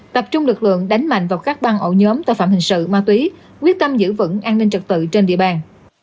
tập trung lực lượng đánh mạnh vào các băng ổ nhóm tội phạm hình sự ma túy quyết tâm giữ vững an ninh trật tự trên địa bàn